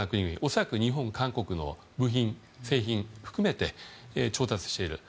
恐らく日本、韓国の部品、製品含めて調達している。